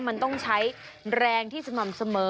มันต้องใช้แรงที่สม่ำเสมอ